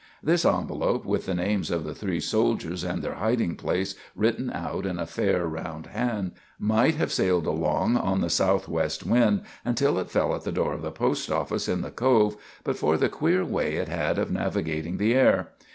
This envelop, with the names of the three soldiers and their hiding place written out in a fair, round hand, might have sailed along on the southwest wind until it fell at the door of the post office in the Cove but for the queer way it had of navigating the air.